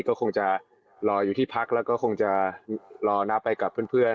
ก็คงจะรออยู่ที่พักและจะรอนับไปกับเพื่อน